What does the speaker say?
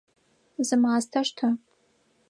Зы мастэ штэ!